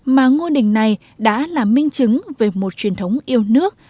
mà ngôi đình này đã là minh chứng về một truyền thống yêu nước